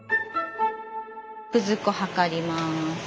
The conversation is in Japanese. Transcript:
くず粉量ります。